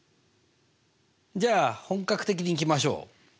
じゃあ本格的にいきましょう！